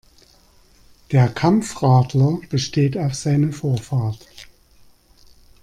Der Kampfradler besteht auf seine Vorfahrt.